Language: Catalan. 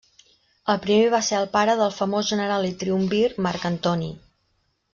El primer va ser el pare del famós general i triumvir Marc Antoni.